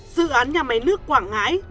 dự án nhà máy nước quảng ngãi